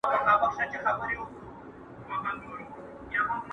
زه کرۍ ورځ په درنو بارونو بار یم!.